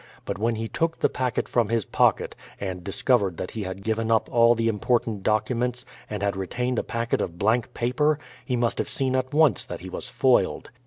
But when he took the packet from his pocket, and discovered that he had given up the all important documents, and had retained a packet of blank paper, he must have seen at once that he was foiled.